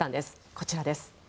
こちらです。